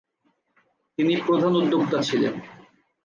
তিনি প্রধান উদ্যোক্তা ছিলেন।